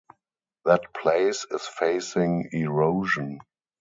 That place is facing erosion.